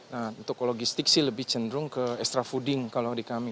nah untuk logistik sih lebih cenderung ke extra fooding kalau di kami